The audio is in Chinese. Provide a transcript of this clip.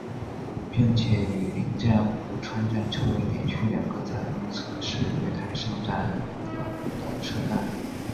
并且与邻站壶川站成为连续两个采用侧式月台上落的车站。